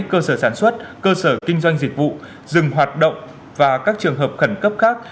cơ sở sản xuất cơ sở kinh doanh dịch vụ dừng hoạt động và các trường hợp khẩn cấp khác